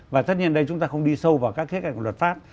và tất nhiên đây chúng ta không đi sâu vào các khía cạnh của luật pháp